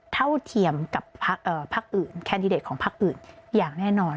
เท่าเทียมกับแคนดิเดตของภาคอื่นอย่างแน่นอน